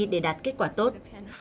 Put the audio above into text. để đạt kết quả tốt